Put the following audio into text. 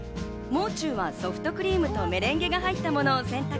もう中はソフトクリームとメレンゲが入ったものを選択。